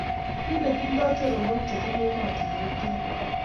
kile ting'doi choronok che bunu emotinwek tugul